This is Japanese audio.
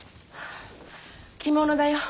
着物だよ。